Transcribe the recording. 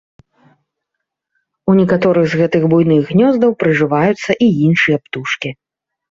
У некаторых з гэтых буйных гнёздаў прыжываюцца і іншыя птушкі.